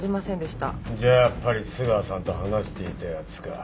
じゃあやっぱり津川さんと話していた奴か。